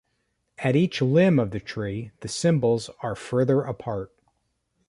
At each "limb" of the tree, the symbols are further apart.